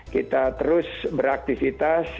kita terus beraktifitas